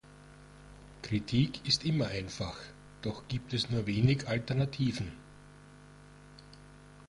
Kritik ist immer einfach, doch gibt es nur wenig Alternativen.